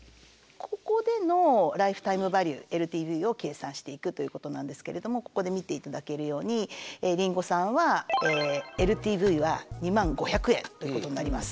ここでのライフタイムバリューＬＴＶを計算していくということなんですけれどもここで見ていただけるようにりんごさんはＬＴＶは２０，５００円ということになります。